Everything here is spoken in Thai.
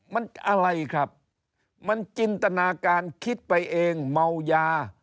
มันอะไรครับมันจินตนาการคิดไปเองเมายา